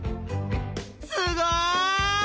すごい！